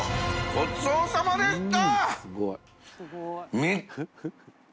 ごちそうさまでした！